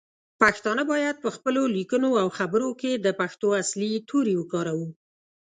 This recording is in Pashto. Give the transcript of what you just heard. پښتانه باید پخپلو لیکنو او خبرو کې د پښتو اصلی تورې وکاروو.